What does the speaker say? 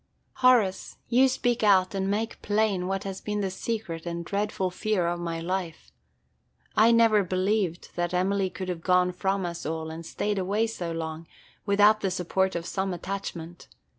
"Horace, you speak out and make plain what has been the secret and dreadful fear of my life. I never have believed that Emily could have gone from us all, and stayed away so long, without the support of some attachment.